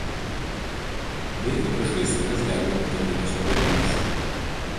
Veikia priešgaisrinės gelbėjimo tarnybos padalinys.